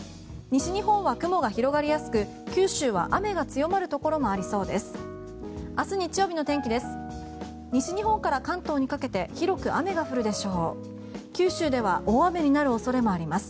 西日本は雲が広がりやすく九州は雨が強まるところもありそうです。